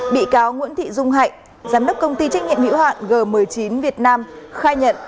bị cáo nguyễn thị dung hạnh giám đốc công ty trách nhiệm hiệu hạn g một mươi chín việt nam khai nhận